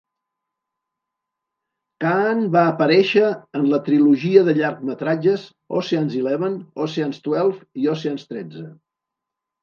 Caan va aparèixer en la trilogia de llargmetratges "Ocean's Eleven", "Ocean's Twelve", i "Ocean's tretze".